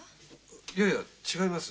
いえいえ違います。